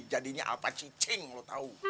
jadinya al pacicing lo tau